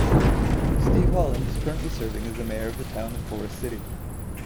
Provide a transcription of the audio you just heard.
Steve Holland is currently serving as the Mayor of The Town of Forest City.